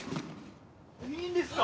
いいんですか？